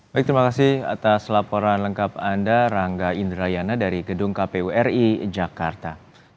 baik terima kasih atas laporan lengkap anda rangga indrayana dari gedung kpu ri jakarta